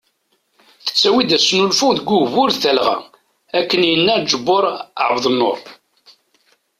Tettawi-d asnulfu deg ugbur d talɣa ,akken yenna Ǧebur Ɛebdnur.